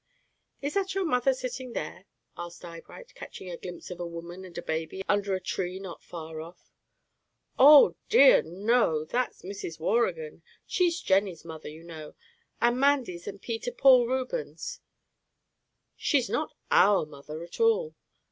"Is that your mother sitting there?" asked Eyebright catching a glimpse of a woman and a baby under a tree not far off. "Oh, dear, no! That's Mrs. Waurigan. She's Jenny's mother, you know, and 'Mandy's and Peter Paul Rubens's. She's not our mother at all.